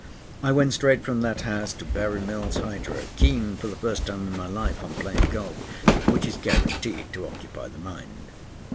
I went straight from that house to Burry Mills Hydro, keen for the first time in my life on playing golf, which is guaranteed to occupy the mind.